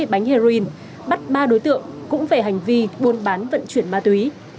bốn mươi bánh heroin bắt ba đối tượng cũng về hành vi buôn bán vận chuyển ma túy